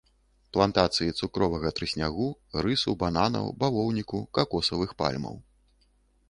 Плантацыі цукровага трыснягу, рысу, бананаў, бавоўніку, какосавых пальмаў.